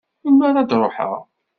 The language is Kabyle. Melmi ara d-ruḥeɣ?